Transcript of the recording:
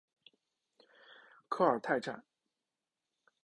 科尔泰站